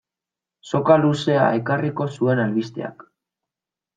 Soka luzea ekarriko zuen albisteak.